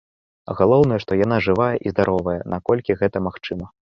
Галоўнае, што яна жывая і здаровая, наколькі гэта магчыма.